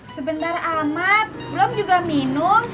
sebentar amat belum juga minum